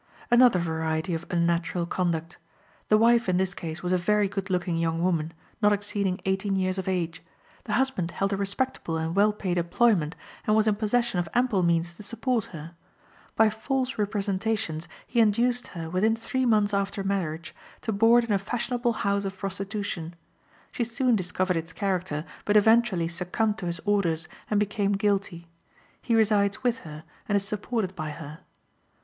Another variety of unnatural conduct. The wife in this case was a very good looking young woman, not exceeding eighteen years of age; the husband held a respectable and well paid employment, and was in possession of ample means to support her. By false representations he induced her, within three months after marriage, to board in a fashionable house of prostitution. She soon discovered its character, but eventually succumbed to his orders, and became guilty. He resides with her, and is supported by her.